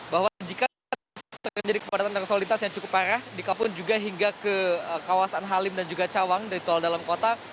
bahwa jika terjadi kepadatan arus lalu lintas yang cukup parah di kapun juga hingga ke kawasan halim dan juga cawang dari tol dalam kota